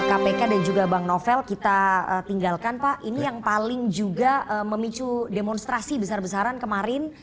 kpk dan juga bang novel kita tinggalkan pak ini yang paling juga memicu demonstrasi besar besaran kemarin